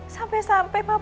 sampai sampai papa kamu aja